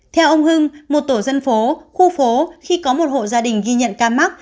theo ông hưng một tổ dân phố khu phố khi có một hộ gia đình ghi nhận ca mắc